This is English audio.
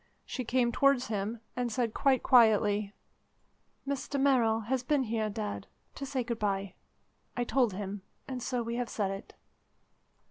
She came towards him, and said quite quietly: "Mr Merrill has been here, Dad, to say good bye. I told him, and so we have said it."